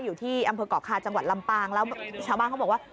อยู่ที่อำเภอกเกาะคาจังหวัดลำปางแล้วชาวบ้านเขาบอกว่า